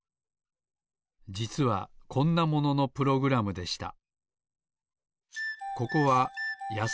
じつはこんなもののプログラムでした。